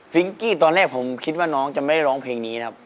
กี้ตอนแรกผมคิดว่าน้องจะไม่ร้องเพลงนี้ครับ